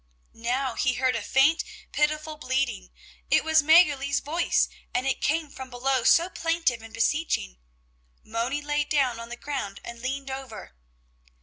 Now he heard a faint, pitiful bleating; it was Mäggerli's voice, and it came from below so plaintive and beseeching. Moni lay down on the ground and leaned over.